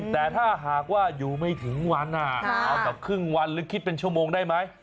แต่ถ้าหากว่าอยู่ไม่ถึงวันเอาแบบครึ่งวันหรือคิดเป็นชั่วโมงได้ไหม